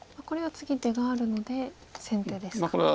これは次出があるので先手ですか。